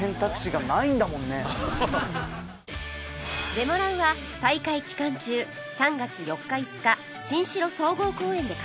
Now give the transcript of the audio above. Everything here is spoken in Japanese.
デモランは大会期間中３月４日５日新城総合公園で開催